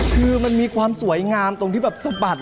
คือมันมีความสวยงามตรงที่แบบสะบัด